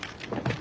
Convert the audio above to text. あ。